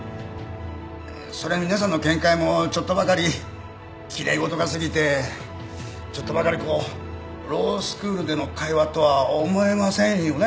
それに皆さんの見解もちょっとばかり奇麗事が過ぎてちょっとばかりこうロースクールでの会話とは思えませんよね？